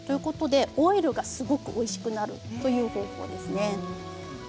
オイルがすごくおいしくなるんですね。